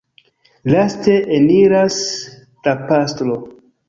Laste eniras la pastro.